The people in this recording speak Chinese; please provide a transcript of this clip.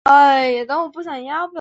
其子王震绪也是一名小说家。